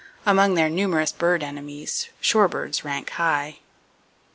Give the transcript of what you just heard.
Among their numerous bird enemies, shorebirds rank high.